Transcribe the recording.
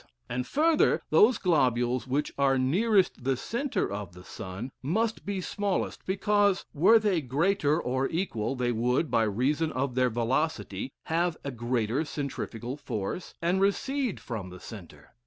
And, further: those globules which are nearest the centre of the sun, must be smallest; because, were they greater, or equal, they would, by reason of their velocity, have a greater centrifugal force, and recede from the centre.